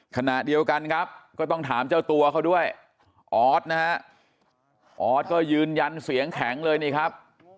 ขณะเดียวกันครับก็ต้องถามเจ้าตัวเขาด้วยออสนะฮะออสก็ยืนยันเสียงแข็งเลยนี่ครับ